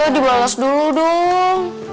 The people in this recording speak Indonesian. tante dibalas dulu dong